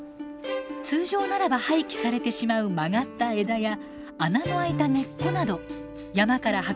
通常ならば廃棄されてしまう曲がった枝や穴の開いた根っこなど山から運び加工してストックしてあります。